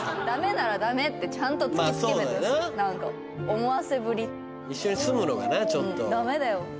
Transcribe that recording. ダメならダメってちゃんと突きつけて何か思わせぶりダメだよ